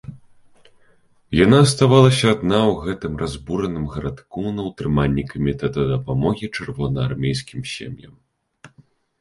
Яна аставалася адна ў гэтым разбураным гарадку, на ўтрыманні камітэта дапамогі чырвонаармейскім сем'ям.